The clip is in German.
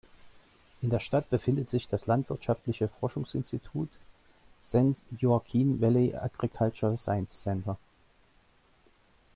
In der Stadt befindet sich das landwirtschaftliche Forschungsinstitut "San Joaquin Valley Agricultural Sciences Center".